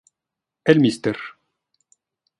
El Mr.